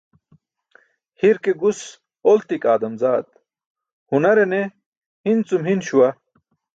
Hir ke gus oltik aadam zaat, hunare ne hin cum hin śuwa.